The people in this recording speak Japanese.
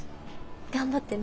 頑張ってな。